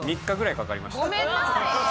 ごめんなさいね。